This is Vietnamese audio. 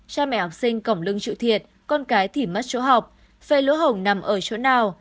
cha mẹ học sinh cổng lưng chịu thiệt con cái thỉ mất chỗ học phê lũ hổng nằm ở chỗ nào